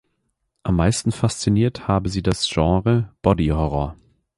Am meisten fasziniert habe sie das Genre Body Horror.